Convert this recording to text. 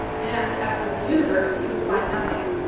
And, after the universe, he will find nothing.